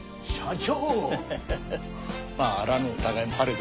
社長。